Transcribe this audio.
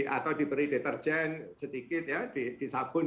atau diberi deterjen sedikit disabun